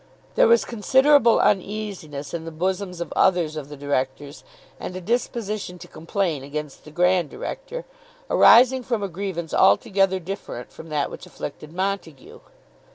There was considerable uneasiness in the bosoms of others of the Directors, and a disposition to complain against the Grand Director, arising from a grievance altogether different from that which afflicted Montague.